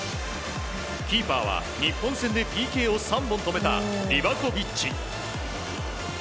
キーパーは日本戦でＰＫを３本止めたリバコビッチ。